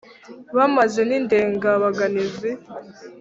bamaze n’indengabaganizi